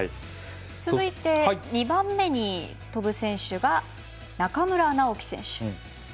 続いて２番目に飛ぶ選手が中村直幹選手。